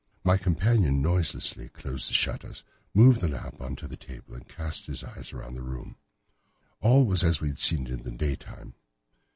My companion noiselessly closed the shutters, moved the lamp onto the table, and cast his eyes round the room. All was as we had seen it in the daytime.